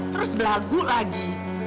terus berlagu lagi